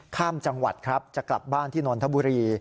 ข้ามจังหวัดครับจะกลับบ้านที่นนทบุรี